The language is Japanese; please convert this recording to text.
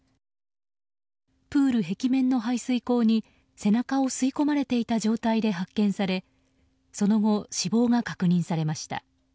プール壁面の排水口に背中を吸い込まれていた状態で発見され、その後死亡が確認されました。